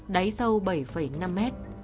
đáy sâu bảy năm m